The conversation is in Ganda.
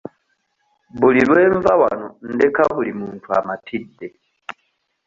Buli lwe nva wano ndeka buli muntu amatidde.